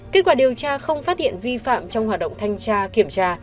kết quả điều tra không phát hiện vi phạm trong hoạt động thanh tra kiểm tra